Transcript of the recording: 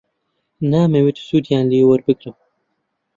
نامەوێت سوودیان لێ وەربگرم.